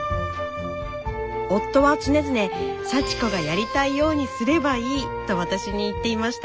夫は常々「幸子がやりたいようにすればいい」と私に言っていました。